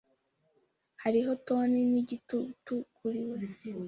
Hariho toni y'igitutu kuri we.